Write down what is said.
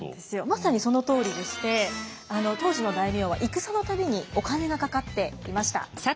まさにそのとおりでして当時の大名は戦の度にお金がかかっていました。